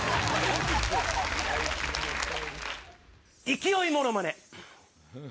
勢いものまね。